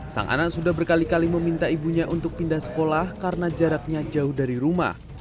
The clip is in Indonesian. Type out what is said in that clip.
sang anak sudah berkali kali meminta ibunya untuk pindah sekolah karena jaraknya jauh dari rumah